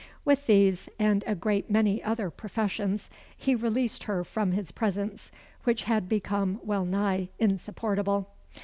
With these, and a great many other professions, he released her from his presence, which had become well nigh insupportable.